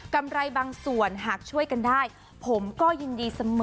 ำไรบางส่วนหากช่วยกันได้ผมก็ยินดีเสมอ